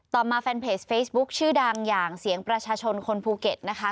มาแฟนเพจเฟซบุ๊คชื่อดังอย่างเสียงประชาชนคนภูเก็ตนะคะ